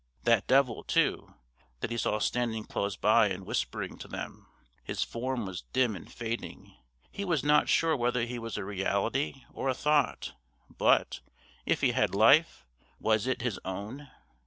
That devil, too, that he saw standing close by and whispering to them his form was dim and fading; he was not sure whether he was a reality or a thought, but if he had life, was it his own?